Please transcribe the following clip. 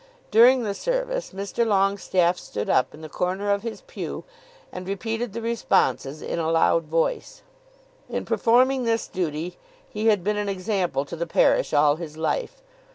During the service Mr. Longestaffe stood up in the corner of his pew, and repeated the responses in a loud voice. In performing this duty he had been an example to the parish all his life.